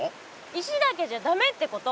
石だけじゃだめってこと。